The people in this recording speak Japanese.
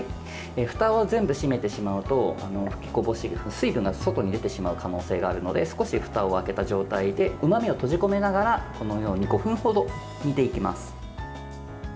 ふたを全部閉めてしまうと吹きこぼし、水分が外に出てしまう可能性があるので少しふたを開けた状態でうまみを閉じ込めながらこのように５分程煮ていきます。